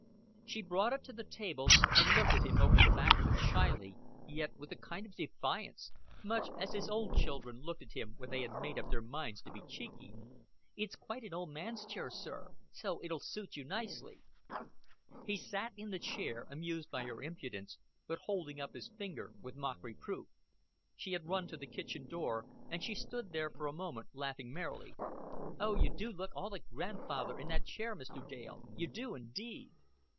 She brought it to the table, and looked at him over the back of it shyly, yet with a kind of defiance much as his own children looked at him when they had made up their minds to be cheeky. "It's quite an old man's chair, sir so it'll suit you nicely." He sat in the chair, amused by her impudence, but holding up his finger with mock reproof. She had run to the kitchen door, and she stood there for a moment laughing merrily. "Oh, you do look all a gran'father in that chair, Mr. Dale. You do, indeed."